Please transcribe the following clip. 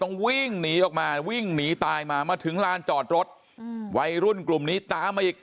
ต้องวิ่งหนีออกมาวิ่งหนีตายมามาถึงลานจอดรถอืมวัยรุ่นกลุ่มนี้ตามมาอีก